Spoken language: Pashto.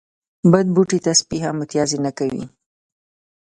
بد بوټي ته سپي هم متازې نه کوي.